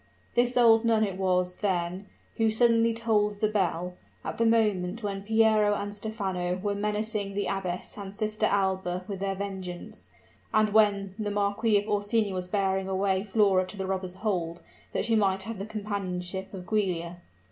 This old nun it was, then, who suddenly tolled the bell, at the moment when Piero and Stephano were menacing the abbess and Sister Alba with their vengeance, and when the Marquis of Orsini was bearing away Flora to the robbers' hold, that she might have the companionship of Giulia.